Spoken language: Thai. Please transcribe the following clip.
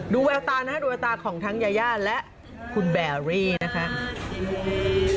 ดูแววตานะครับดูแววตาของทั้งยายาและคุณแบร์รี่นะครับ